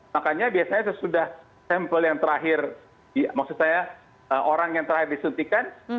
makanya biasanya sesudah sampel yang terakhir maksud saya orang yang terakhir disuntikan